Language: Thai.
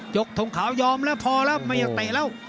กทงขาวยอมแล้วพอแล้วไม่อยากเตะแล้ว